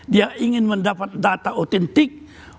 dia ingin mendapat data otentik